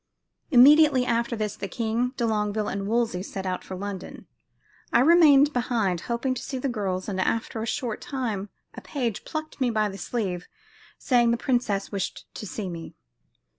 Immediately after this, the king, de Longueville and Wolsey set out for London. I remained behind hoping to see the girls, and after a short time a page plucked me by the sleeve, saying the princess wished to see me.